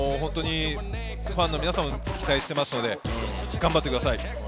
ファンと皆さんも期待していますし、頑張ってください。